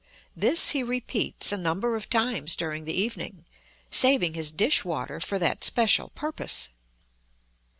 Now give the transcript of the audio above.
This he repeats a number of times during the evening, saving his dish water for that special purpose.